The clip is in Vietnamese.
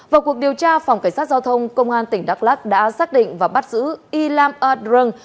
vào cuộc điều tra phòng cảnh sát giao thông công an tỉnh đắk lắc đã xác định và bắt giữ y lam a drung